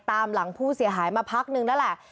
ตามหลังผู้เสียหายมาพักนึงแล้วแหละ